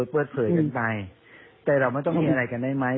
เปิดเผยกันไปแต่เราไม่ต้องมีอะไรกันได้ไหม